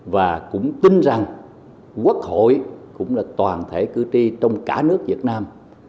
và cũng tin rằng quốc hội cũng là toàn thể cử tri trong cả nước việt nam